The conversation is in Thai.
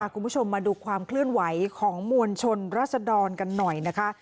คุณผู้ชมมาดูความเคลื่อนไหวของมวลชนรัศดรกันหน่อยนะคะ